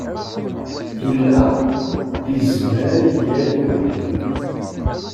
Yella yezmer i yal d ugur.